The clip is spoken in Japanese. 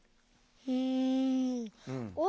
うん。